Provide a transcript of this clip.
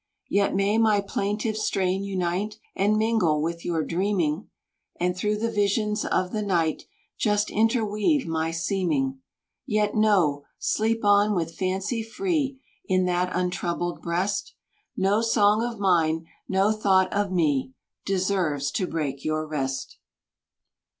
Yet may my plaintive strain unite And mingle with your dreaming, And through the visions of the night Just interweave my seeming. Yet no! sleep on with fancy free In that untroubled breast; No song of mine, no thought of me, Deserves to break your rest!